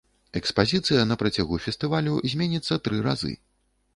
Экспазіцыя на працягу фестывалю зменіцца тры разы.